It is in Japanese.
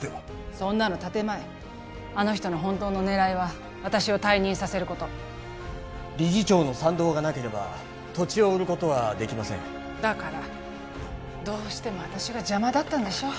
そんなの建前あの人の本当の狙いは私を退任させること理事長の賛同がなければ土地を売ることはできませんだからどうしても私が邪魔だったんでしょ